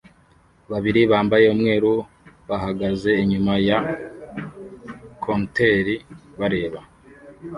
babiri bambaye umweru bahagaze inyuma ya compteur bareba